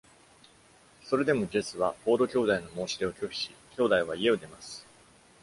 それでも、Jesse は Ford 兄弟の申し出を拒否し、兄弟は家を出ます。